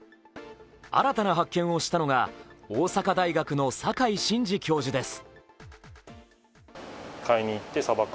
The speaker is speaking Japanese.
新たな発見をしたのが大阪大学の境慎司教授です。